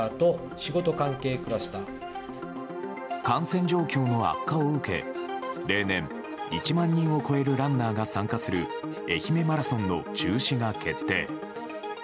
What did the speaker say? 感染状況の悪化を受け例年１万人を超えるランナーが参加する愛媛マラソンの中止が決定。